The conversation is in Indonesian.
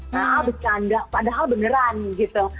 nah bercanda padahal beneran gitu